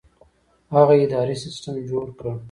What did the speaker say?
هغه اداري سیستم جوړ کړ.